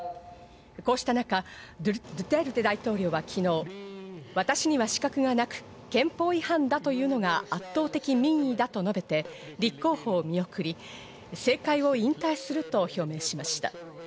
こうした中、ドゥテルテ大統領は昨日、私には資格がなく憲法違反だというのが圧倒的民意だと述べて、立候補を見送り、政界を引退すると表明しました。